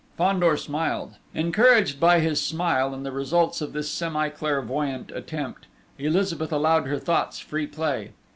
Fandor smiled. Encouraged by his smile and the results of this semi clairvoyant attempt, Elizabeth allowed her thoughts free play.